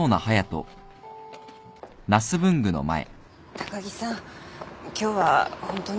高木さん今日はホントにすいません。